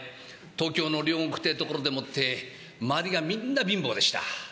東京の両国というところでもって周りがみんな貧乏でした。